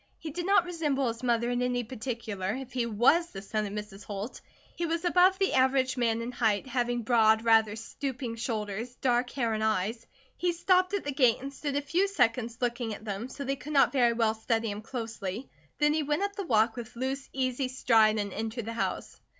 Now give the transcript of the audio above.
He did not resemble his mother in any particular, if he was the son of Mrs. Holt. He was above the average man in height, having broad, rather stooping shoulders, dark hair and eyes. He stopped at the gate and stood a few seconds looking at them, so they could not very well study him closely, then he went up the walk with loose, easy stride and entered the house.